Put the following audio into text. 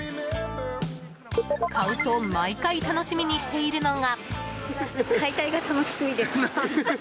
買うと毎回楽しみにしているのが。